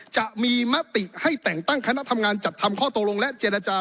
จะมีมติให้แต่งตั้งคณะทำงานจัดทำข้อตกลงและเจรจา